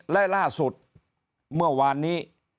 และล่าสุดเมื่อวานนี้